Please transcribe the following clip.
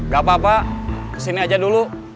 gak apa apa kesini aja dulu